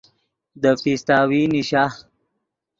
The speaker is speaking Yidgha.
دے پیستاوی نیشا